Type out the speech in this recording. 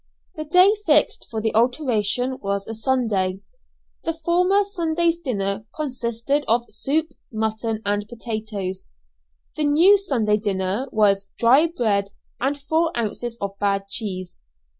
The day fixed for the alteration was a Sunday. The former Sunday's dinner consisted of soup, mutton, and potatoes. The new Sunday dinner was dry bread and four ounces of bad cheese.